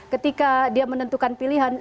ketika dia menentukan pilihan